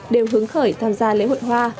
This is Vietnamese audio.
đều hướng khởi tham gia lễ hội hoa